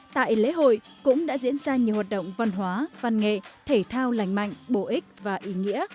tại lễ hội cũng đã diễn ra nhiều hoạt động văn hóa văn nghệ thể thao lành mạnh bổ ích và ý nghĩa